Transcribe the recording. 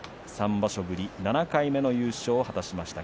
３場所ぶり７回目の優勝を果たしました。